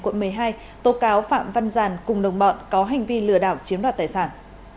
quận một mươi hai tố cáo phạm văn giàn cùng đồng bọn có hành vi lừa đảo chiếm đoạt tài sản